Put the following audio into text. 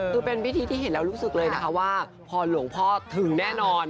คือเป็นพิธีที่เห็นแล้วรู้สึกเลยนะคะว่าพอหลวงพ่อถึงแน่นอน